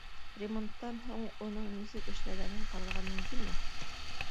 Ремонттан һуң уның нисек эшләгәнен ҡарарға мөмкинме?